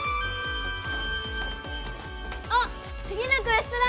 あっ次のクエストだ！